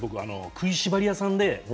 食いしばり屋さんで。